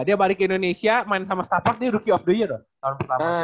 dia balik ke indonesia main sama star park dia rookie of the year loh tahun pertama